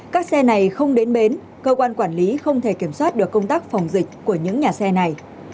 các xe này không đến bến cơ quan quản lý không thể kiểm soát được công tác phòng dịch của những nhà xe này